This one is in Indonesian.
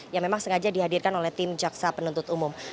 yang memang sengaja dihadirkan oleh tim jaksa penuntut umum